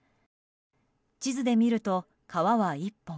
地図で見ると川は１本。